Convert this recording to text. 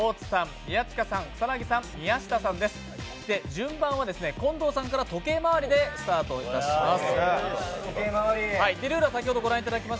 順番は近藤さんから時計回りでスタートいたします。